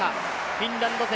フィンランド勢